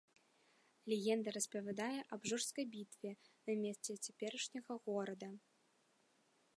Легенда распавядае аб жорсткай бітве на месцы цяперашняга горада.